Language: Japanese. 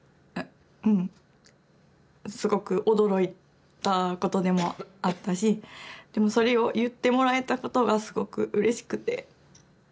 すごく驚いたことでもあったしでもそれを言ってもらえたことがすごくうれしくて。